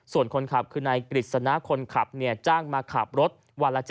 ส่วนคนขับคือนายกฤษณะคนขับจ้างมาขับรถวันละ๗๐